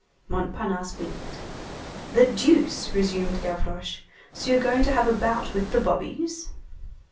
Montparnasse winked. "The deuce!" resumed Gavroche, "so you're going to have a bout with the bobbies?"